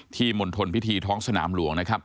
ที่หม่อนทนพิธีท้องสนามหลวงนะครับ